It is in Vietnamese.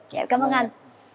dạ em cảm ơn anh